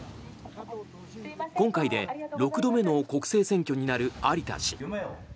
今回で６度目の国政選挙になる有田氏。